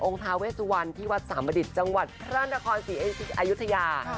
องค์ท้าเวสวันที่วัดสามบดิตจังหวัดพระนครสี่เอญชีอายุทยา